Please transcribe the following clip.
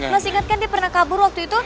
mas ingat kan dia pernah kabur waktu itu